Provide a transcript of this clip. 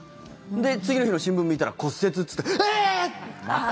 で、次の日の新聞見たら骨折って、えーっ！